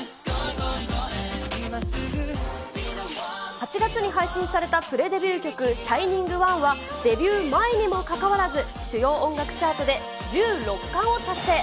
８月に配信されたプレデビュー曲、ＳｈｉｎｉｎｇＯｎｅは、デビュー前にもかかわらず主要音楽チャートで１６冠を達成。